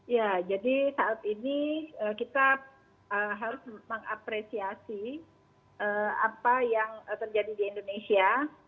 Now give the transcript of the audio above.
ya jadi saat ini kita harus mengapresiasi apa yang terjadi di indonesia